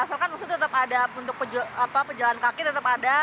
soalnya kan tetap ada untuk pejalan kaki tetap ada